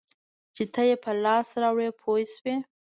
چې ته یې په لاس راوړې پوه شوې!.